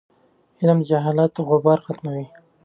علم د جهالت غبار ختموي.